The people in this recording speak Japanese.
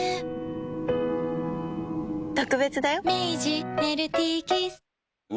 「特別だよ」